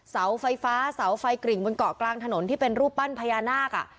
เสาไฟฟ้าเสาไฟกริ่งบนเกาะกลางถนนที่เป็นรูปปั้นพญานาค